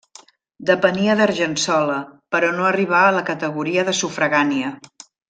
Depenia d'Argençola però no arribà a la categoria de sufragània.